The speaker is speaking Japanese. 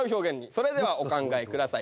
それではお考えください。